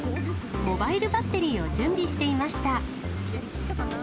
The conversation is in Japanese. モバイルバッテリーを準備していました。